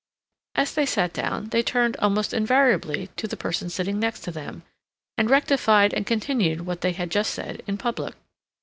As they sat down they turned almost invariably to the person sitting next them, and rectified and continued what they had just said in public.